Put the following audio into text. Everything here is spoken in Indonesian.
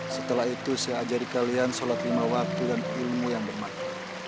setelah itu saya ajarin kalian sholat lima waktu dan ilmu yang bermakna